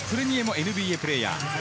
ＮＢＡプレーヤー。